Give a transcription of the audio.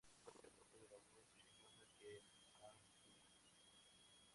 Recordado por sus papeles de mujer acompañado de la voz chillona que hacía.